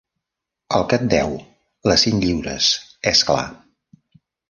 El que et deu; les cinc lliures, és clar.